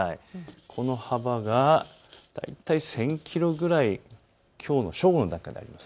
この幅が大体１０００キロぐらい、きょうの正午の段階であります。